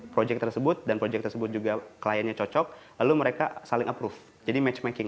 proyek tersebut dan proyek tersebut juga kliennya cocok lalu mereka saling approve jadi matchmaking